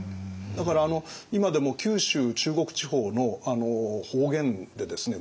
だから今でも九州中国地方の方言でですね